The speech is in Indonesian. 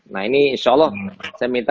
nah ini insya allah saya minta